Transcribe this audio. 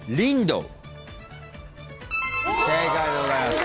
正解でございます。